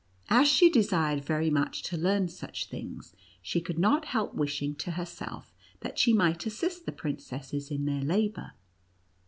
As she desired very much to learn stich things, she could not help wishing to herself that she might assist the princesses in their labor.